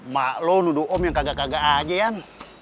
mak lo nuduh om yang kagak kagak aja yan